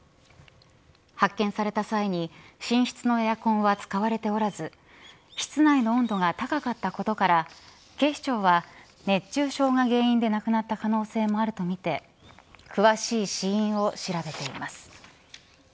発見された際に寝室のエアコンは使われておらず室内の温度が高かったことから警視庁は熱中症が原因で亡くなった可能性もあるとみて詳しい死因を調べています。